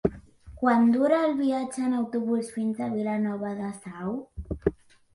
Quant dura el viatge en autobús fins a Vilanova de Sau?